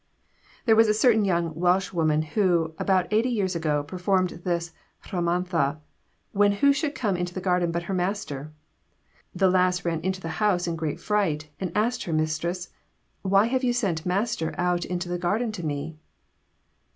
There was a certain young Welshwoman who, about eighty years ago, performed this rhamanta, when who should come into the garden but her master! The lass ran to the house in great fright, and asked her mistress, 'Why have you sent master out into the garden to me?'